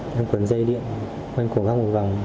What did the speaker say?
đem cuốn dây điện quanh cổ góc một vòng